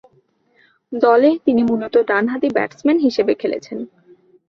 দলে তিনি মূলতঃ ডানহাতি ব্যাটসম্যান হিসেবে খেলেছেন।